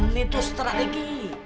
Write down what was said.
ini tuh strategi